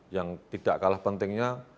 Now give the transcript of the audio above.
yang tidak kalah pentingnya